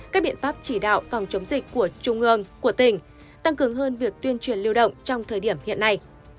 các biện pháp chỉ đạo phòng chống dịch của trung ương của tỉnh tăng cường hơn việc tuyên truyền lưu động trong thời điểm hiện nay